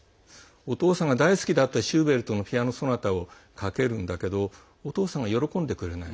お父さんが大好きだったシューベルトの「ピアノソナタ」をかけるんだけどお父さんは、喜んでくれない。